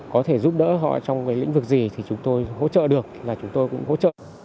có thể giúp đỡ họ trong cái lĩnh vực gì thì chúng tôi hỗ trợ được là chúng tôi cũng hỗ trợ